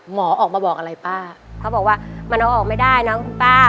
หมอออกมาบอกอะไรป้าเขาบอกว่ามันเอาออกไม่ได้นะคุณป้า